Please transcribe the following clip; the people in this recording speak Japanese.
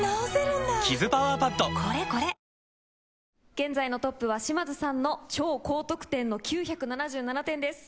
現在のトップは島津さんの超高得点の９７７点です。